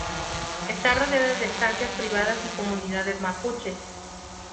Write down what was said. Está rodeada de estancias privadas y comunidades mapuches.